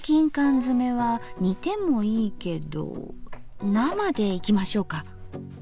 づめは煮てもいいけど生でいきましょうか。